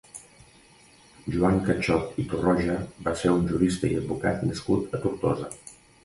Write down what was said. Joan Cachot i Torroja va ser un jurista i advocat nascut a Tortosa.